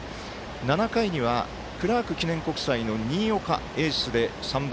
７回にはクラーク記念国際の新岡、エースで３番。